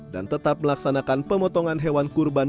dan tetap melaksanakan pemotongan hewan kurban